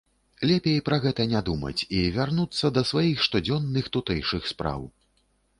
Лепей пра гэта не думаць і вярнуцца да сваіх штодзённых тутэйшых спраў.